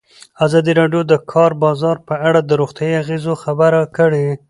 ازادي راډیو د د کار بازار په اړه د روغتیایي اغېزو خبره کړې.